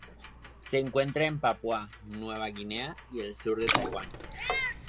Se encuentra en Papúa Nueva Guinea y el sur de Taiwán.